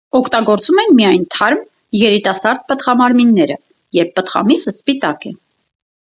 Օգտագործում են միայն թարմ, երիտասարդ պտղամարմինները (երբ պտղամիսը սպիտակ է)։